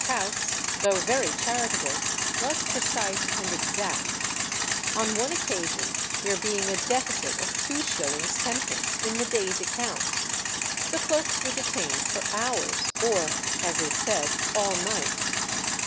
Coutts, though very charitable, was precise and exact. On one occasion, there being a deficit of 2s. 10d. in the day's accounts, the clerks were detained for hours, or, as is said, all night.